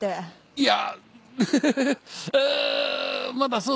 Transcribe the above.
いや。